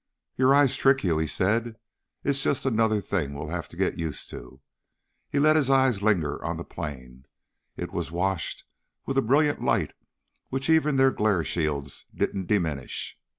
"Your eyes trick you," he said. "It's just another thing we'll have to get used to." He let his eyes linger on the plain. It was washed with a brilliant light which even their glare shields didn't diminish.